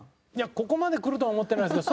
ここまでくるとは思ってないですけど